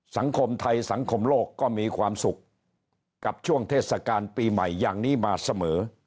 สังคมไทยสังคมโลกก็มีความสุขกับช่วงเทศกาลปีใหม่อย่างนี้มาเสมอ